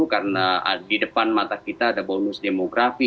karena di depan mata kita ada bonus demografi